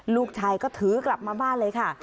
ลูกชายก็ถือกลับมาบ้านเลยค่ะ